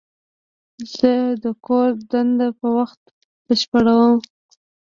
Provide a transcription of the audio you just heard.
زه د کور دنده په وخت بشپړوم.